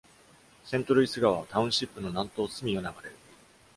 セントルイス川はタウンシップの南東隅を流れる。